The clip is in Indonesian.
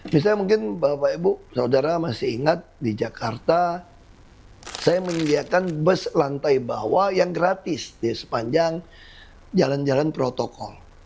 misalnya mungkin bapak ibu saudara masih ingat di jakarta saya menyediakan bus lantai bawah yang gratis di sepanjang jalan jalan protokol